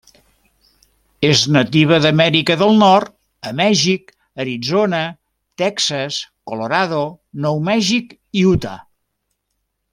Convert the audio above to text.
És nativa d'Amèrica del Nord a Mèxic, Arizona, Texas, Colorado, Nou Mèxic i Utah.